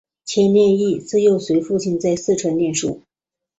蹇念益自幼随父亲在四川念书。